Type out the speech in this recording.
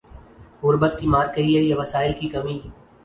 غربت کی مار کہیے یا وسائل کی کمی۔